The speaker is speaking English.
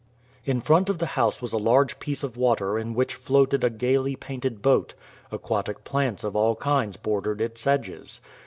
In front of the house was a large piece of water in which floated a gayly painted boat; aquatic plants of all kinds bordered its edges.